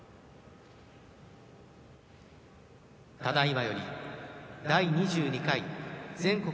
ただいまより第２２回全国